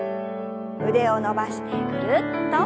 腕を伸ばしてぐるっと。